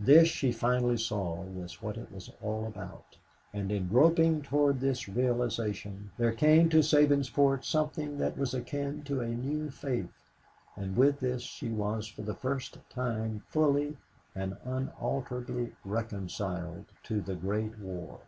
This, she finally saw, was what it was all about; and in groping toward this realization there came to Sabinsport something that was akin to a new faith, and with this she was for the first time fully and unalterably reconciled to the Great War.